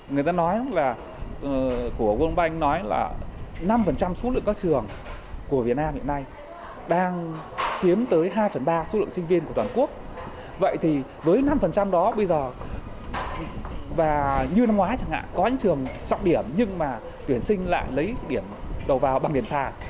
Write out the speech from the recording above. như năm ngoái chẳng hạn có những trường trọng điểm nhưng mà tuyển sinh lại lấy điểm đầu vào bằng điểm sàn